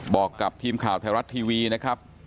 บอกกับทีมข่าวไทยรัฐทีวีนะครับ